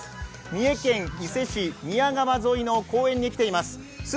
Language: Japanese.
三重県伊勢市宮川沿いの公園に来ています。